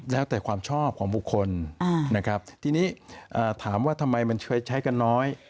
แล้วแต่ความชอบของบุคคลนะครับทีนี้ถามว่าทำไมมันใช้กันน้อย